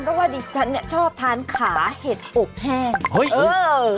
เพราะว่าดิฉันชอบทานขาเห็ดอบแห้ง